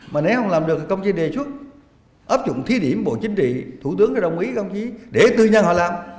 mà nếu không làm được thì công chí đề xuất ấp dụng thi điểm bộ chính trị thủ tướng đồng ý công chí để tư nhân họ làm